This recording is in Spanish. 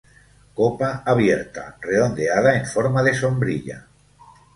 Copa abierta, redondeada en forma de sombrilla.